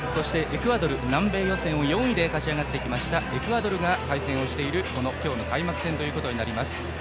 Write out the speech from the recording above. エクアドル、南米予選を４位で勝ち上がってきましたエクアドルが対戦している今日の開幕戦となります。